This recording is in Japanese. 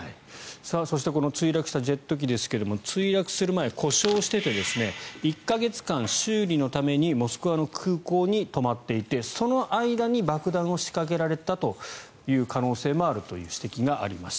そして墜落したジェット機ですが墜落する前、故障してて１か月間修理のためにモスクワの空港に止まっていてその間に爆弾を仕掛けられたという可能性もあるという指摘があります。